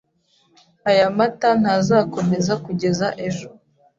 Aya mata ntazakomeza kugeza ejo.